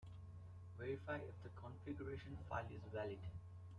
Verify if the configuration file is valid.